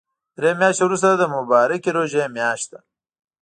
دري مياشتی ورسته د مبارکی ژوری مياشت ده